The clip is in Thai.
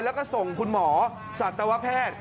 แล้วก็ส่งคุณหมอสัตวแพทย์